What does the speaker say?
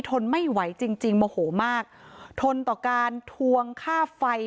ทนไม่ไหวจริงจริงโมโหมากทนต่อการทวงค่าไฟ